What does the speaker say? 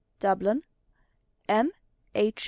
DUBLIN: M. H.